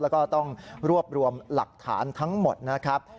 แล้วก็ต้องรวบรวมหลักฐานทั้งหมดนะครับ